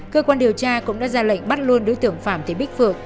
cơ quan điều tra cũng đã ra lệnh bắt luôn đối tượng phạm thị bích phượng